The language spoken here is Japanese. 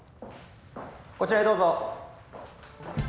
こちらへどうぞ。